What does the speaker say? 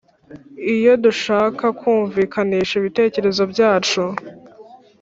iyo dushaka kumvikanisha ibitekerezo byacu